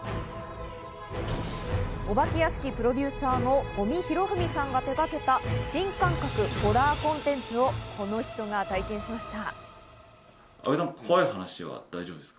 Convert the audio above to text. お化け屋敷プロデューサーの五味弘文さんが手がけた新感覚ホラーコンテンツをこの人が体験しました。